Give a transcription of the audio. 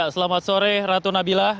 selamat sore ratu nabilah